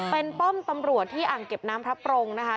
เป็นป้อมตำรวจที่อ่างเก็บน้ำพระปรงนะคะ